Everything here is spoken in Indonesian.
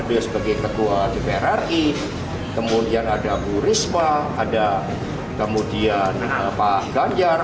dia sebagai ketua di prri kemudian ada bu risma ada kemudian pak ganjar